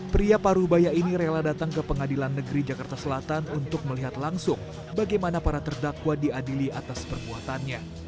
pria paruh bayak ini rela datang ke pengadilan negeri jakarta selatan untuk melihat langsung bagaimana para terdakwa diadili atas perbuatannya